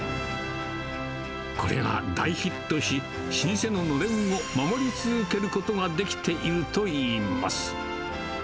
これが大ヒットし、老舗ののれんを守り続けることができているといいます。